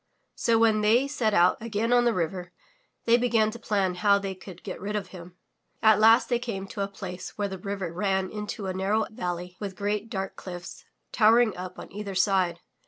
So when they set out again on the river they began to plan how they could get rid of him. At last they came to a place where the river ran into a narrow valley with great, dark cliffs towering up on either side.